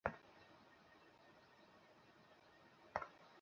তোর ছেলে কোথায়?